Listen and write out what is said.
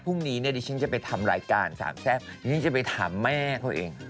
พรุ่งนี้ดิฉลิ้งจะไปทำรายการ๓แทรฟดิฉลิ้งจะไปถามแม่เขาเอง